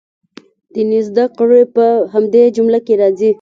دیني زده کړې په همدې جمله کې راځي.